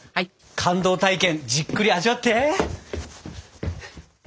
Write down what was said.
感動体験じっくり味わって！